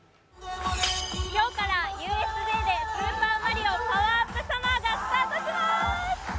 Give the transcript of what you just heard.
今日からＵＳＪでスーパーマリオ・パワーアップサマーがスタートします！